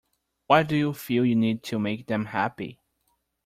Why do you feel you need to make them happy?